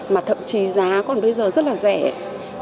mà thậm chí giá còn bây giờ rất là dễ dàng